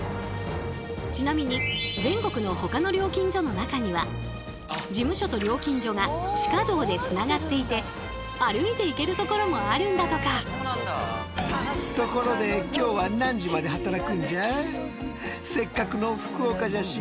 ちなみに全国のほかの料金所の中には事務所と料金所が地下道でつながっていて歩いて行けるところもあるんだとか。ということでやって来たのは中は立ち仕事大変。